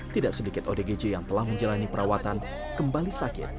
tidak sedikit odgj yang telah menjalani perawatan kembali sakit